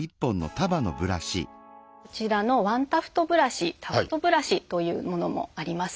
こちらのワンタフトブラシタフトブラシというものもあります。